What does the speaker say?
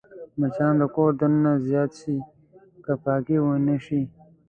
مچان د کور دننه زیات شي که پاکي ونه شي